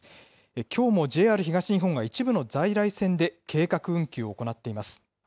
きょうもＪＲ東日本が一部の在来線で計画運休を行っています。